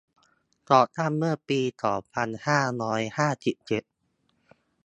ก่อตั้งเมื่อปี สองพันห้าร้อยห้าสิบเจ็ด